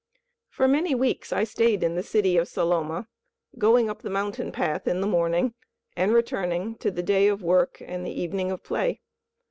For many weeks I stayed in the city of Saloma, going up the mountain path in the morning, and returning to the day of work and the evening of play.